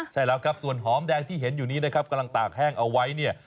ใช่แล้วครับส่วนหอมแดงที่เห็นอยู่นี้นะครับกำลังตากแห้งเอาไว้เนี่ย